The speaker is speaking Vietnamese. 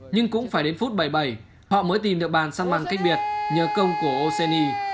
nhưng cũng phải đến phút bảy bảy họ mới tìm được bàn săn băng cách biệt nhờ công của oseni